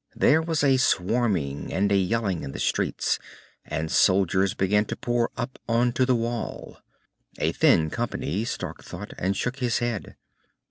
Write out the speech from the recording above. There was a swarming and a yelling in the streets, and soldiers began to pour up onto the Wall. A thin company, Stark thought, and shook his head.